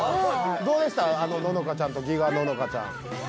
どうでした？ののかちゃんとギガののかちゃん。